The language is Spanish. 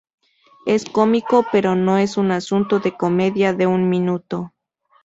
Es cómico, pero no es un asunto de comedia de un minuto.